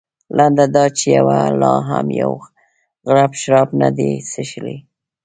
لنډه دا چې یوه لا هم یو غړپ شراب نه دي څښلي.